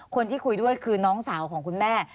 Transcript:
คนที่คุยด้วยคือน้องสาวของคุณแม่